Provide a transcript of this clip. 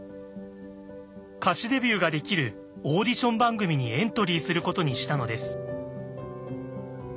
歌手デビューができるオーディション番組にエントリーすることにしたのです。